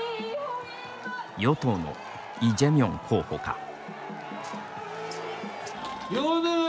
与党のイ・ジェミョン候補か。